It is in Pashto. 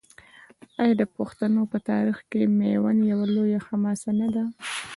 آیا د پښتنو په تاریخ کې میوند یوه لویه حماسه نه ده؟